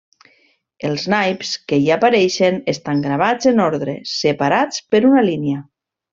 Els naips que hi apareixen, estan gravats en ordre, separats per una línia.